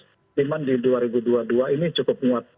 cuman di dua ribu dua puluh dua ini cukup muat